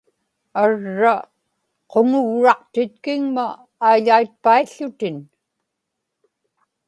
arra quŋuġraqtitkiŋma aiḷaitpaił̣ł̣utin